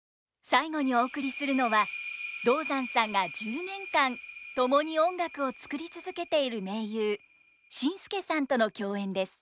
最後にお送りするのは道山さんが１０年間共に音楽を作り続けている盟友ＳＩＮＳＫＥさんとの共演です。